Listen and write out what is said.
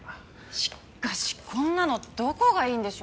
しかしこんなのどこがいいんでしょうね。